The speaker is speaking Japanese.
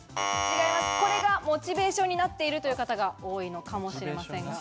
これがモチベーションになっている方が多いのかもしれませんが。